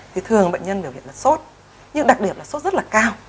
thì thường bệnh nhân biểu hiện là sốt nhưng đặc điểm là sốt rất là cao